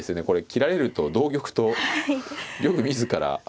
これ切られると同玉と玉自ら。